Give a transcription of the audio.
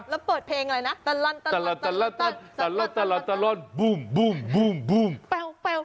แล้วเปิดเพลงอะไรนะ